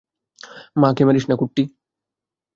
মাকে মারিস না, কুট্টি।